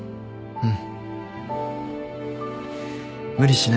うん。